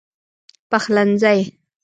پخلنځی